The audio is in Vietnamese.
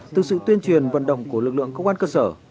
từ sự tuyên truyền vận động của lực lượng công an cơ sở